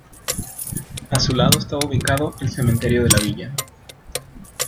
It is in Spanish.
A su lado estaba ubicado el cementerio de la villa.